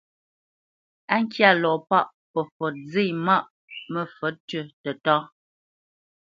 Á ŋkyá lɔ pâʼ, fəfǒt zê maʼ məfǒt tʉ́ tətá.